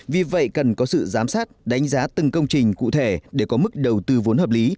vì vậy cần có sự giám sát đánh giá từng công trình cụ thể để có mức đầu tư vốn hợp lý